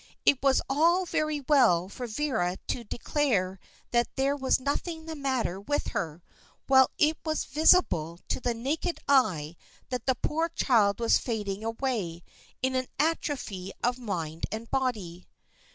It was all very well for Vera to declare that there was nothing the matter with her, while it was visible to the naked eye that the poor child was fading away, in an atrophy of mind and body.